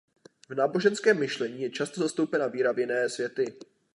V náboženském myšlení je často zastoupena víra v jiné světy.